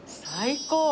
最高！